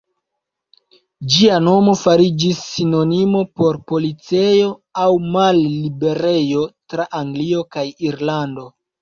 Ĝia nomo fariĝis sinonimo por policejo aŭ malliberejo tra Anglio kaj Irlando.